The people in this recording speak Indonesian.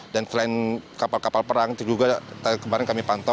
dan selain kapal kapal perang juga kemarin kami pantau